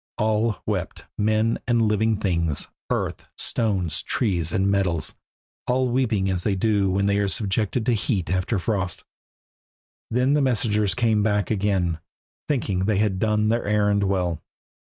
All wept, men and living things, earth, stones, trees, and metals, all weeping as they do when they are subjected to heat after frost. Then the messengers came back again, thinking they had done their errand well.